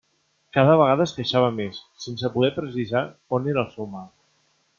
Cada vegada es queixava més, sense poder precisar on era el seu mal.